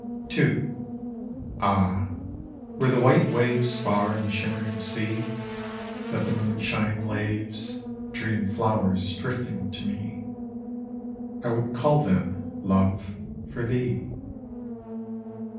II Ah, were theHrhite waves Far on the shimmering Bea, That the moon shine laves. Dream flowers drifting to me I would cull them, love, for thee.